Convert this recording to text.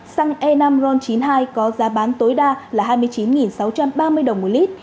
xăng e năm ron chín mươi hai có giá bán tối đa là hai mươi chín sáu trăm ba mươi đồng một lít